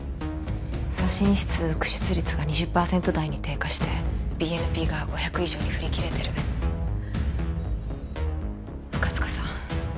左心室駆出率が２０％台に低下してＢＮＰが５００以上に振り切れてる赤塚さん